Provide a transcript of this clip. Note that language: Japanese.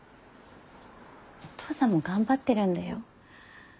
お父さんも頑張ってるんだよ。